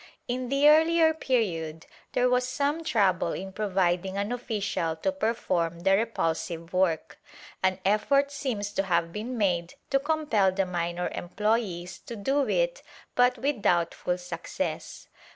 In the earlier period, there was some trouble in providing an official to perform the repulsive work. An effort seems to have been made to compel the minor employees to do it but with doubtful success.